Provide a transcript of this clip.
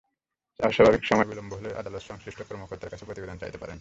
অস্বাভাবিক সময় বিলম্ব হলে আদালত সংশ্লিষ্ট কর্মকর্তার কাছে প্রতিবেদন চাইতে পারেন।